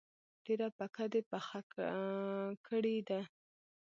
ډیره پکه دي پخه کړی ده